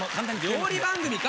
料理番組か！